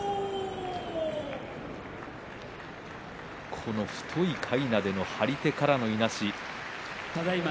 この太いかいなでの張り手からのいなし。